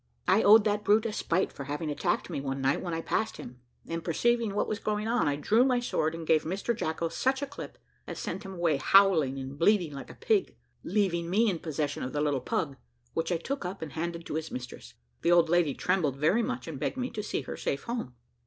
I owed that brute a spite for having attacked me one night when I passed him, and perceiving what was going on, I drew my sword and gave Mr Jacko such a clip, as sent him away howling and bleeding like a pig, leaving me in possession of the little pug, which I took up and handed to his mistress. The old lady trembled very much, and begged me to see her safe home.